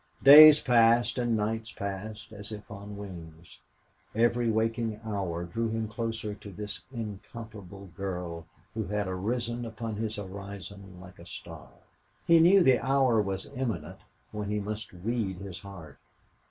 Days passed and nights passed, as if on wings. Every waking hour drew him closer to this incomparable girl who had arisen upon his horizon like a star. He knew the hour was imminent when he must read his heart.